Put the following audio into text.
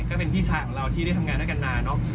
ก็เป็นพี่ชายของเราที่ได้ทำงานด้วยกันมาเนอะ